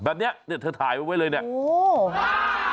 แบบเนี่ยเธอถ่ายไปเลยเนี่ย